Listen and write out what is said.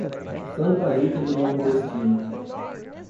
Santa Rita do Novo Destino